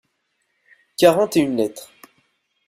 Quarante et une lettres.